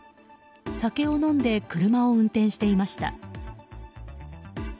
酒を飲んで車を運転していました。